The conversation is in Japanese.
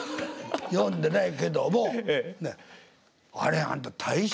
読んでないけどもあれあんた大正よ時代は。